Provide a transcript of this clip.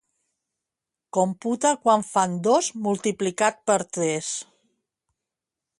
Computa quant fan dos multiplicat per tres.